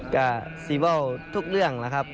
กับศรีเบ่าทุกเรื่องนะครับ